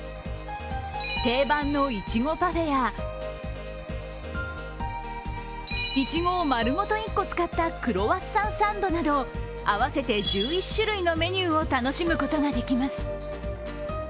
定番のいちごパフェやいちごを丸ごと１個使ったクロワッサンサンドなど合わせて１１種類のメニューを楽しむことができます。